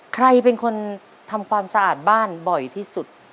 ใครเป็นคนทำความสะอาดบ้านบ่อยที่สุด